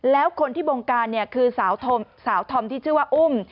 แล้วคนที่บงการเนี่ยคือสาวธอมที่ชื่อว่าอุ้ม